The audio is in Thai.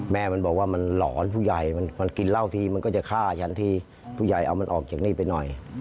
แม่มันบอกว่ามันหลอนผู้ใหญ่มันกินเหล้าทีมันก็จะฆ่ายันทีผู้ใหญ่เอามันออกจากนี่ไปหน่อย